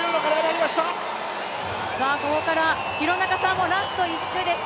ここから廣中さんもラスト１周です